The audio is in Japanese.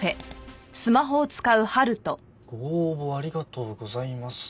「ご応募ありがとうございます」